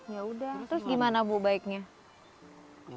ya udah terus gimana bu baiknya